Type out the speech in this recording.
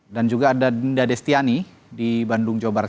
juga ada dinda destiani di bandung jawa barat